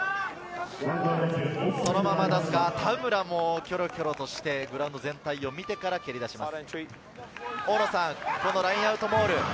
田村もキョロキョロして、グラウンド全体を見てから蹴り出します。